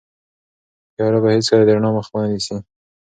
تیاره به هیڅکله د رڼا مخه ونه نیسي.